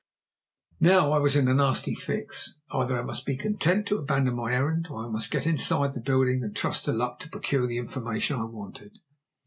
Now I was in a nasty fix either I must be content to abandon my errand, or I must get inside the building, and trust to luck to procure the information I wanted.